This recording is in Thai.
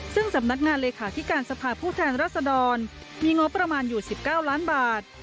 ซึ่งสำนักงานเลขาธิการสภาพผู้แทนรัศดรมีงบประมาณอยู่๑๙ล้านบาท